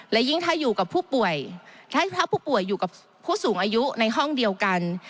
แล้วยิ่งถ้าผู้ป่วยอยู่กับผู้สูงอายุในห้องเดียวกัน